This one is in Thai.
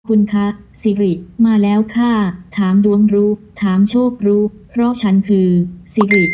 คุณคะสิริมาแล้วค่ะถามดวงรู้ถามโชครู้เพราะฉันคือสิริ